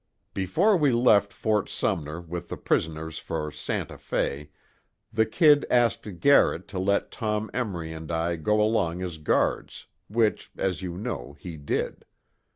Before we left Ft. Sumner with the prisoners for Santa Fe, the 'Kid' asked Garrett to let Tom Emory and I go along as guards, which, as you know, he did.